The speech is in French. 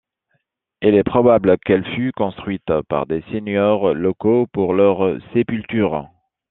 Il est probable qu'elle fut construite par des seigneurs locaux pour leurs sépultures.